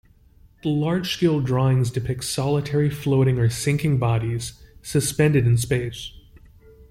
The large-scale drawings depict solitary floating or sinking bodies, suspended in space.